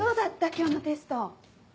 今日のテスト。